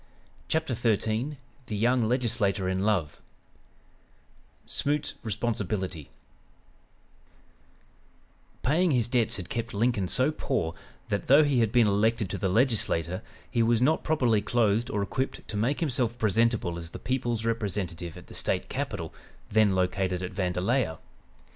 CHAPTER XIII THE YOUNG LEGISLATOR IN LOVE SMOOT'S RESPONSIBILITY Paying his debts had kept Lincoln so poor that, though he had been elected to the Legislature, he was not properly clothed or equipped to make himself presentable as the people's representative at the State capital, then located at Vandalia.